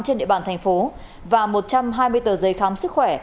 trên địa bàn thành phố và một trăm hai mươi tờ giấy khám sức khỏe